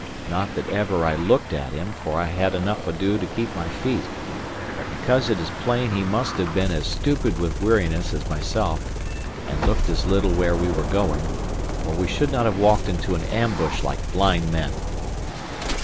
Not that ever I looked at him, for I had enough ado to keep my feet; but because it is plain he must have been as stupid with weariness as myself, and looked as little where we were going, or we should not have walked into an ambush like blind men.